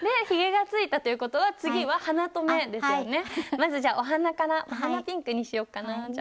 まずじゃあお鼻からお鼻ピンクにしよっかなぁ。